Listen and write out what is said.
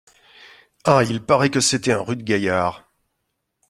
Ah ! il paraît que c’était un rude gaillard !